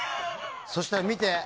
そしたら、見て。